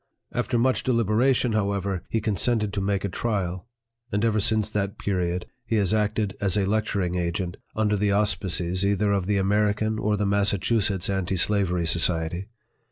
After much deliberation, however, he consented to make a trial ; and ever since that period, he has acted as a lecturing agent, under the auspices either of the American or the Massachusetts Anti Slavery Society.